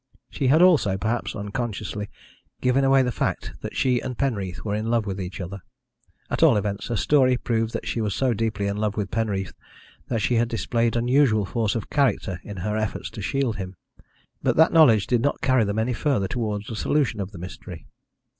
She had also, perhaps unconsciously, given away the fact that she and Penreath were in love with each other; at all events, her story proved that she was so deeply in love with Penreath that she had displayed unusual force of character in her efforts to shield him. But that knowledge did not carry them any further towards a solution of the mystery.